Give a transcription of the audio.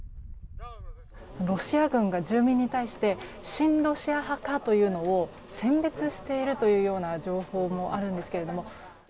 ロシア軍が住民に対して親ロシア派かというのを選別しているという情報もあるんですけど。